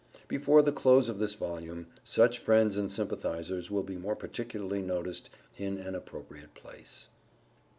[Before the close of this volume, such friends and sympathizers will be more particularly noticed in an appropriate place.